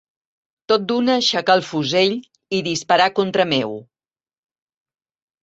Tot d'una aixecà el fusell i disparà contra meu